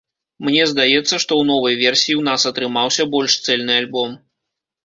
Мне здаецца, што ў новай версіі ў нас атрымаўся больш цэльны альбом.